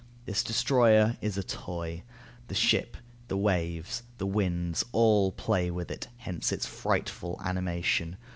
This destroyer is a toy. The ship, the waves, the winds, all play with it, hence its frightful animation.